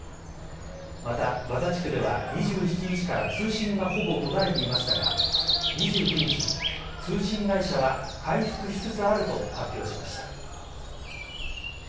また、ガザ地区では２７日から通信がほぼ途絶えていましたが２９日、通信会社は回復しつつあると発表しました。